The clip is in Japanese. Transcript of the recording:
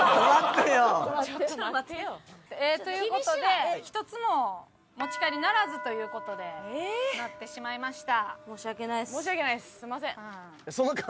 ちょっと待ってよ！という事で１つも持ち帰りならずという事でなってしまいました。